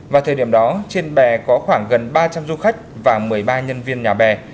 vào thời điểm đó trên bè có khoảng gần ba trăm linh du khách và một mươi ba nhân viên nhà bè